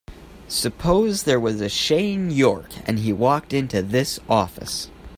Suppose there was a Shane York and he walked into this office.